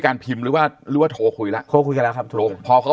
พิมพ์หรือว่าหรือว่าโทรคุยแล้วโทรคุยกันแล้วครับโทรพอเขา